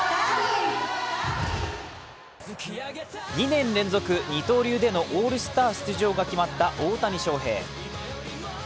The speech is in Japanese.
２年連続二刀流でのオールスター出場が決まった大谷翔平。